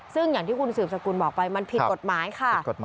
ซึ่งอย่างที่คุณสืบสกุลบอกไปมันผิดกฎหมายค่ะ